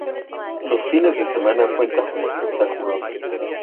Los fines de semana cuenta con espectáculos.